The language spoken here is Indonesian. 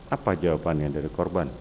apa jawabannya dari korban